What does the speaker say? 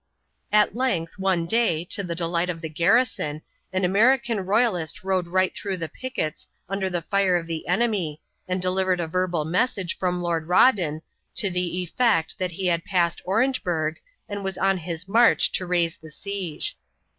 At length one day, to the delight of the garrison, an American royalist rode right through the pickets under the fire of the enemy and delivered a verbal message from Lord Rawdon to the effect that he had passed Orangeburg and was on his march to raise the siege.